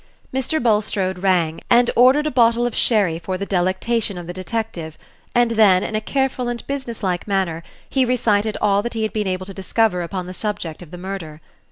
Mr. Bulstrode rang, and ordered a bottle of sherry for the delectation of the detective, and then, in a careful and business like manner, he recited all that he had been able to discover upon the subject of the murder.